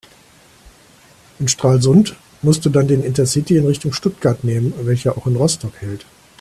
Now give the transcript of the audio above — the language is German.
In Stralsund musst du dann den Intercity in Richtung Stuttgart nehmen, welcher auch in Rostock hält.